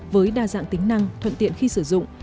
với đa dạng tính năng thuận tiện khi sử dụng